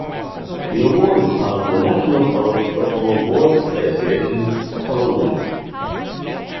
The award is part of the National College Football Awards Association coalition.